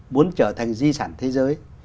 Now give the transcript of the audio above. muốn trở thành di sản thế giới